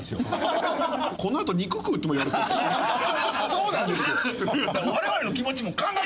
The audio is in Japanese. そうなんですよ。